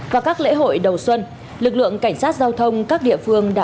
vào các lễ hội đầu xuân lực lượng cảnh sát giao thông các địa phương